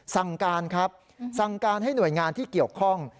สั่งการครับสั่งการให้หน่วยงานที่เกี่ยวข้อง